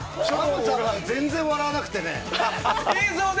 ＳＡＭさん、全然笑わなくてね。